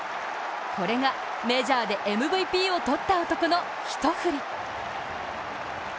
これがメジャーでＭＶＰをとった男の１振り。